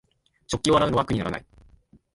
食器を洗うのは苦にならない